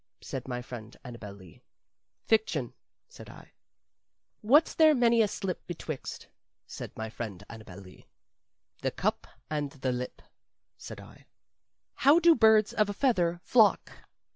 said my friend Annabel Lee. "Fiction," said I. "What's there many a slip betwixt?" said my friend Annabel Lee. "The cup and the lip," said I. "How do birds of a feather flock?"